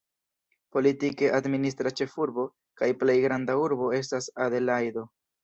Politike administra ĉefurbo kaj plej granda urbo estas Adelajdo.